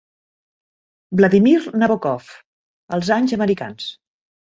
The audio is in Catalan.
"Vladimir Nabokov: Els anys americans".